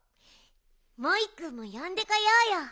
モイくんもよんでこようよ。